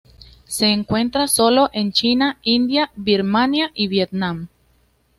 Se encuentra sólo en China, India, Birmania, y Vietnam.